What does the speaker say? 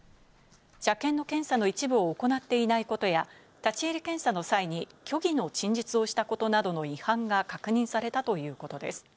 車検の検査の一部を行っていないことや、立ち入り検査の際に虚偽の陳述をしたことなどの違反が確認されたということです。